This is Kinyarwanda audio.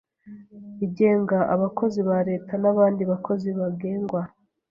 igenga abakozi ba Leta n abandi bakozi bagengwa